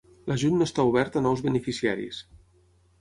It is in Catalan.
L'ajut no està obert a nous beneficiaris.